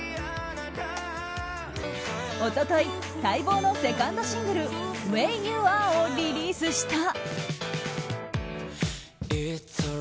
一昨日、待望のセカンドシングル「ＷａｙＹｏｕＡｒｅ」をリリースした。